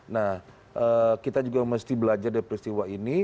nah kita juga mesti belajar dari peristiwa ini